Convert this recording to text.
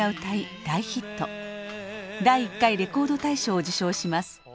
第１回レコード大賞を受賞します。